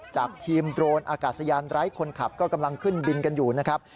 จากทีมโดรนอากาศยานไร้คนขับก็กำลังขึ้นบินกันอยู่นะครับ